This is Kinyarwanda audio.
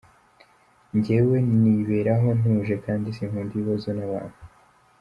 Njyewe niberaho ntuje kandi sinkunda ibibazo n’abantu.